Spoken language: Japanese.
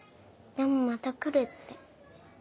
でもまた来るって。